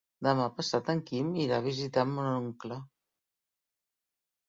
Demà passat en Quim irà a visitar mon oncle.